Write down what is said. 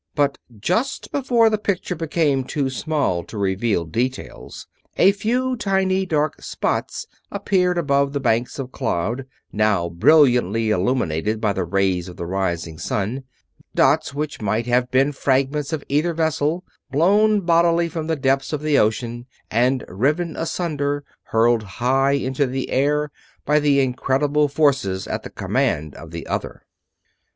But just before the picture became too small to reveal details a few tiny dark spots appeared above the banks of cloud, now brilliantly illuminated by the rays of the rising sun dots which might have been fragments of either vessel, blown bodily from the depths of the ocean and, riven asunder, hurled high into the air by the incredible forces at the command of the other.